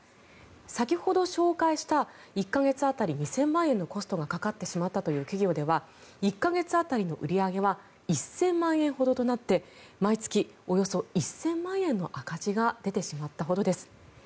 先ほど紹介した、１か月当たり２０００万円のコストがかかってしまったという企業では１か月当たりの売り上げは１０００万円ほどとなって毎月およそ１０００万円の赤字が出てしまったほどです。